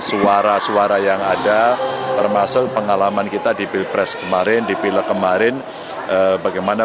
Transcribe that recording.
suara suara yang ada termasuk pengalaman kita di pilpres kemarin di pilek kemarin bagaimana